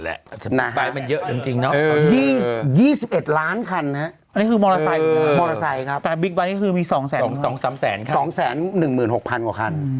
๒๑ล้านคันนะมอเตอร์ไซค์ครับแต่การบิ๊กบั๊ยนี่คือ๒๑๖๐๐๐คัน